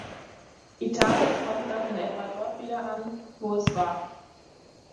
Italien kommt dann in etwa dort wieder an, wo es war.